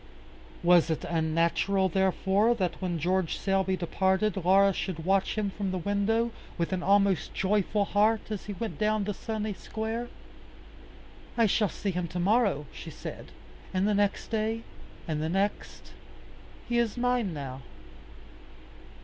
Was it unnatural, therefore, that when George Selby departed, Laura should watch him from the window, with an almost joyful heart as he went down the sunny square? "I shall see him to morrow," she said, "and the next day, and the next. He is mine now."